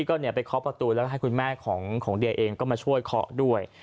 ก็ไปเคาะประตูแล้วก็ให้คุณแม่ของเดียเองก็มาช่วยเคาะด้วย